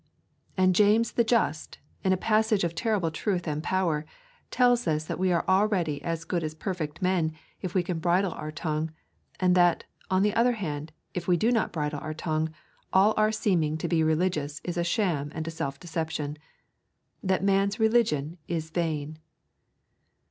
And James the Just, in a passage of terrible truth and power, tells us that we are already as good as perfect men if we can bridle our tongue; and that, on the other hand, if we do not bridle our tongue, all our seeming to be religious is a sham and a self deception, that man's religion is vain.